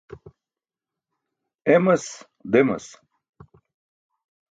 Emas demas.